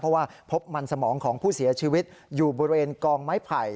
เพราะว่าพบมันสมองของผู้เสียชีวิตอยู่บริเวณกองไม้ไผ่